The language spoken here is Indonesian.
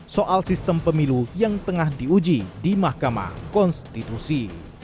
soal sistem pemilu yang tengah diuji di mahkamah konstitusi